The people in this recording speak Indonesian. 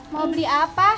mau beli apa